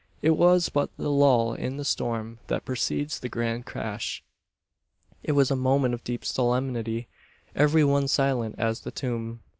It was but the lull in the storm that precedes the grand crash. It was a moment of deep solemnity every one silent as the tomb.